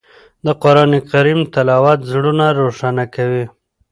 د قرآن کریم تلاوت زړونه روښانه کوي.